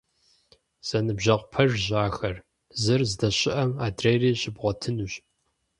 Зэныбжьэгъу пэжщ ахэр, зыр здэщыӀэм адрейри щыбгъуэтынущ.